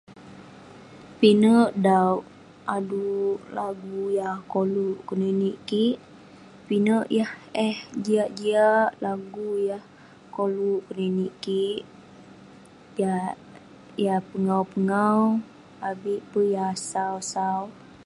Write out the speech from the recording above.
Pinek dauk lagu-lagu yah koluek keninek kik pinek yah eh jiak-jiak lagu yah koluek keninek kik Jah yah pegau-pegau avik peh yah sau-sau